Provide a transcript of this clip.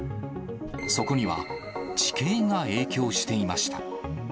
そこには、地形が影響していました。